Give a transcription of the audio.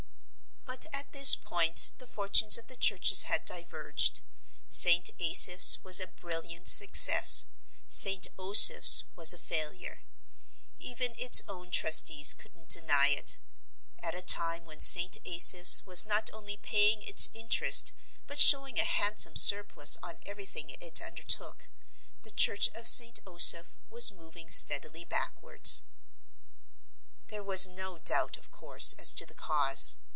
But at this point the fortunes of the churches had diverged. St. Asaph's was a brilliant success; St. Osoph's was a failure. Even its own trustees couldn't deny it. At a time when St. Asaph's was not only paying its interest but showing a handsome surplus on everything it undertook, the church of St. Osoph was moving steadily backwards. There was no doubt, of course, as to the cause.